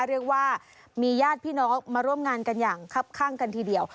เรียกว่ามีญาติพี่น้องมาร่วมงานกันอย่างคับข้างกันทีเดียว